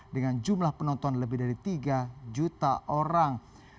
dengan jumlah penonton lebih dari tiga juta orang